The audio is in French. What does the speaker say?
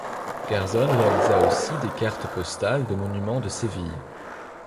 Garzon réalisa aussi des cartes postales de monuments de Séville.